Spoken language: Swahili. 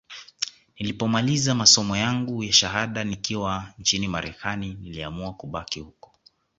Nilipomaliza masomo yangu ya shahada nikiwa nchini Marekani niliamua kubaki huko